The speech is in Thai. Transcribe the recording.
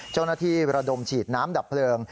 เจ้าหน้าที่ระดมฉีดน้ำดับเพลิง